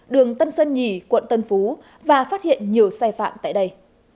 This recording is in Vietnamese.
đường tân sơn nhì quận tân phú và phát hiện nhiều sai phạm tại đây